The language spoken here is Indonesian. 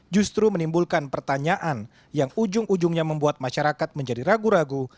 justru menimbulkan pertanyaan yang ujung ujungnya membuat masyarakat menjadi ragu ragu